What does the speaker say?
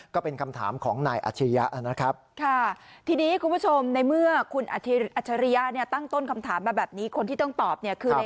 ก็เป็นคำถามของนายอาชิริยะนะครับ